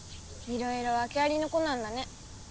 いろいろわけありの子なんだね。